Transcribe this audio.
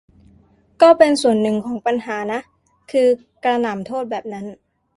ก็เป็นส่วนหนึ่งของปัญหานะ คือกระหน่ำขอโทษแบบนั้น